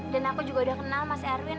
dan aku juga udah kenal mas erwin